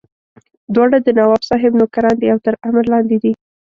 دواړه د نواب صاحب نوکران دي او تر امر لاندې دي.